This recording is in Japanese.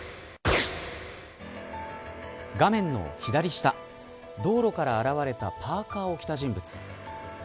画面の左下道路から現れたパーカーを着た人物。